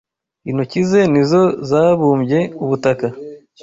Intoki ze ni zo zabumbye ubutaka